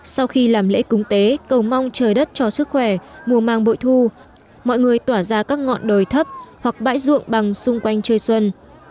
sau khi làm lễ cúng tế cầu mong trời đất cho sức khỏe mùa mang bội thu mọi người tỏa ra các ngọn đồi thấp hoặc bãi ruộng bằng xung quanh chơi xuân